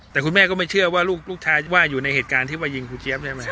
แต่คุณแม่ก็ไม่เชื่อว่าลูกชายว่าอยู่ในเหตุการณ์ที่ว่ายิงครูเจี๊ยบใช่ไหม